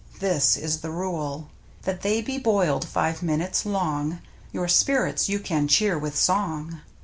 This is the rule: That they be boiled five minutes long (Your spirits you can cheer with song!).